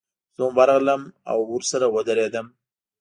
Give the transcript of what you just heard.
زه هم ورغلم او ورسره ودرېدم.